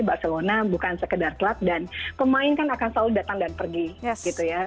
barcelona bukan sekedar klub dan pemain kan akan selalu datang dan pergi gitu ya